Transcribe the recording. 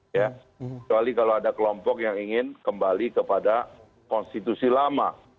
kecuali kalau ada kelompok yang ingin kembali kepada konstitusi lama